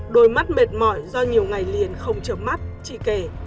đôi mắt mệt mỏi do nhiều ngày liền không chợp mắt chị kể